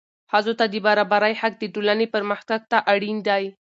ښځو ته د برابرۍ حق د ټولنې پرمختګ ته اړین دی.